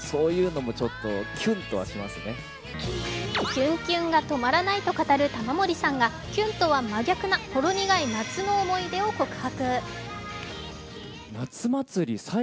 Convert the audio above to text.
キュンキュンが止まらないと語る玉森さんがキュンとは真逆なほろ苦い夏の思い出を告白。